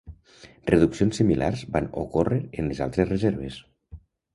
Reduccions similars van ocórrer en les altres reserves.